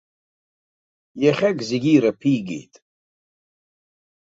Иахьак зегьы ираԥигеит.